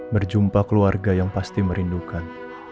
berjumpa keluarga yang pasti merindukan